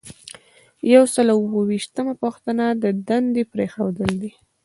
یو سل او اووه ویشتمه پوښتنه د دندې پریښودل دي.